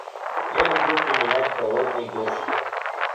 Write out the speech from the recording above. Я люблю принимать холодный душ.